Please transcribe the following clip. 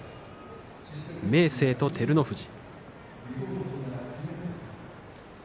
明生と照ノ富士。